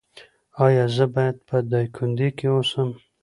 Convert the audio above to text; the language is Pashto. ایا زه باید په دایکندی کې اوسم؟